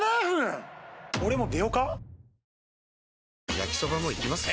焼きソバもいきます？